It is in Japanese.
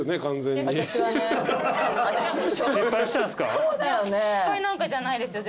そうだよね。